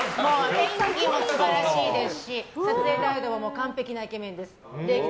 演技も素晴らしいですし撮影態度も完璧なイケメンです。